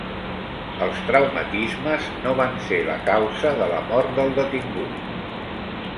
Els traumatismes no van ser la causa de la mort del detingut